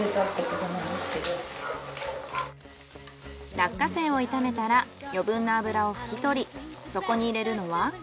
落花生を炒めたら余分な油を拭き取りそこに入れるのは。